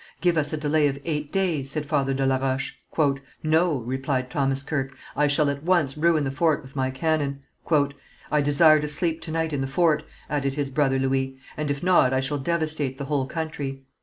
"Give us a delay of eight days," said Father de la Roche. "No," replied Thomas Kirke, "I shall at once ruin the fort with my cannon." "I desire to sleep to night in the fort," added his brother Louis, "and, if not, I shall devastate the whole country."